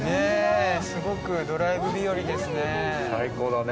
すごくドライブ日和ですね。